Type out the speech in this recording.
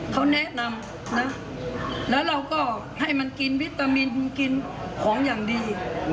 เขาแนะนำนะแล้วเราก็ให้มันกินวิตามินกินของอย่างดี